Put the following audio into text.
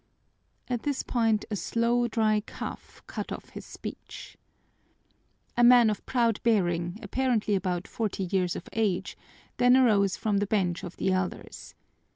At this point a slow, dry cough cut off his speech. A man of proud bearing, apparently about forty years of age, then arose from the bench of the elders.